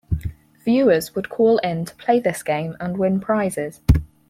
Viewers would call in to play this game and win prizes.